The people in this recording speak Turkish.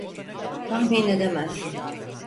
Tahmin edemezsin.